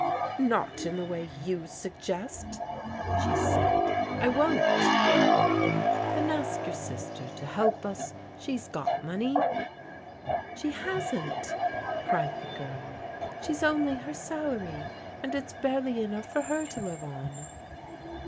" Not in the way you suggest," she said, " I won't/* " Then ask your sister to help us. She's got money." " She hasn't," cried the girl. " She's only her salary, and it's barely enough for her to live on."